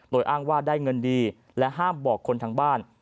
โดยอ้างว่าได้เงินดีและห้ามบอกคนทางบ้าน